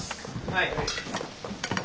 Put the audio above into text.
はい。